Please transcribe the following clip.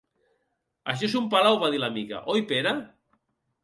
Això és un palau —va dir la Mica—, oi Pere?